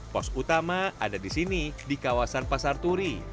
pos utama ada di sini di kawasan pasar turi